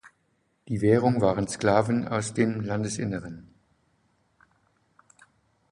Die Währung waren Sklaven aus dem Landesinneren.